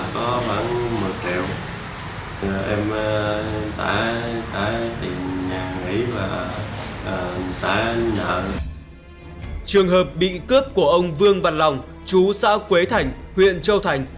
trường hợp bị cướp của ông vương văn long chú xã quế thành huyện châu thành